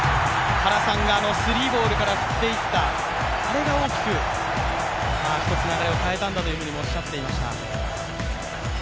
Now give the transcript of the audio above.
原さんがスリーボールから振っていった、あれが大きく、一つ流れを変えたんだというふうにもおっしゃっていました。